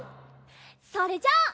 それじゃあ。